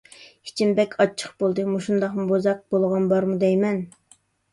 ئىچىم بەك ئاچچىق بولدى. مۇشۇنداقمۇ بوزەك بولغان بارمۇ دەيمەن.